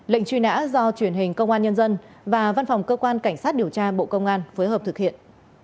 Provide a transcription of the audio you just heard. lệnh truy nã do truyền hình công an nhân dân và văn phòng cơ quan cảnh sát điều tra bộ công an phối hợp thực hiện